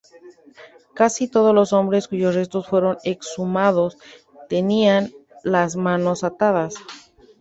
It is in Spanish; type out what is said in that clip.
Casi todos los hombres cuyos restos fueron exhumados tenían las manos atadas.